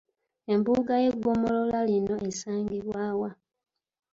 Embuga y'eggomolola lino esangibwa wa?